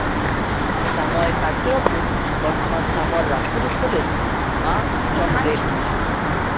সামোয়ায় কার্যরত বর্তমান সামোয়ার রাষ্ট্রদূত হলে মা চনগ্রেন।